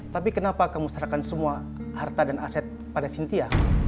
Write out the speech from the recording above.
tapi kenapa kamu serahkan semua harta dan aset pada sintia